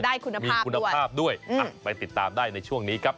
ได้คุณภาพด้วยมีคุณภาพด้วยไปติดตามได้ในช่วงนี้ครับ